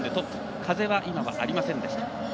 風は今はありませんでした。